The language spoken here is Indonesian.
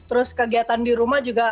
terus kegiatan di rumah juga